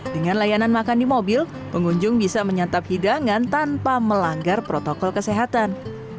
dengan layanan makan di mobil pengunjung bisa menyantap hidangan tanpa melanggar protokol kesehatan